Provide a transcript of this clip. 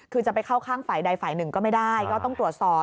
คือจะไปเข้าข้างฝ่ายใดฝ่ายหนึ่งก็ไม่ได้ก็ต้องตรวจสอบ